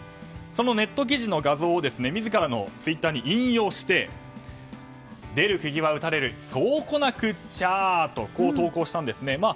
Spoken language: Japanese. そのネット記事の画像を自らのツイッターに引用して出るくぎは打たれるそうこなくっちゃと投稿したんですね。